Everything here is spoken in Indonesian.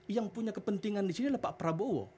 yang punya kepentingan disini adalah pak prabowo